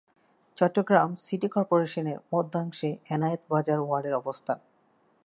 Chittagong city কর্পোরেশনের মধ্যাংশে এনায়েত বাজার ওয়ার্ডের অবস্থান।